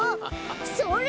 それ！